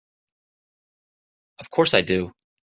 Of course I do!